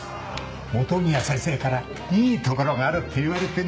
本宮先生からいい所があるって言われてね。